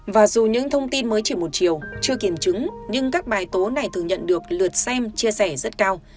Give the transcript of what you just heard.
và dù những thông tin mới chỉ một chiều chưa kiểm chứng nhưng các bài tố này thường nhận được lượt xem chia sẻ rất cao